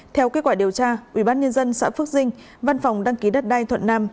theo kết quả điều tra ubnd xã phước dinh văn phòng đăng ký đất đai thuận nam